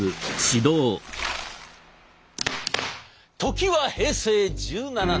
時は平成１７年。